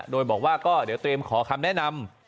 โดยบอกว่าก็เดี๋ยวเตรียมขอคำแนะนำ